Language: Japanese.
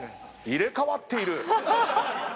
入れ替わっている！